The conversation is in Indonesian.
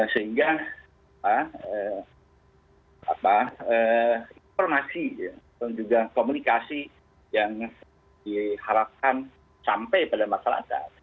sehingga informasi dan juga komunikasi yang diharapkan sampai pada masyarakat